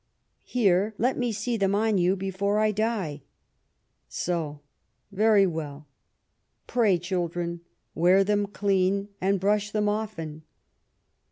Here, let me see them on you before I die. So, very well; pray, children, wear them clean, and brush them often.